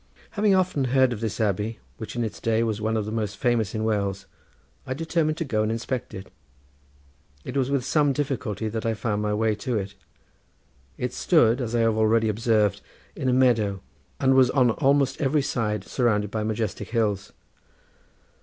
Having often heard of this abbey, which in its day was one of the most famous in Wales, I determined to go and inspect it. It was with some difficulty that I found my way to it. It stood, as I have already observed, in a meadow, and was on almost every side surrounded by majestic hills.